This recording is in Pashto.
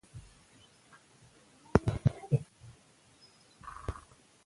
ماشوم ته باید اجازه ورکړل شي چې خپله ژبه وکاروي.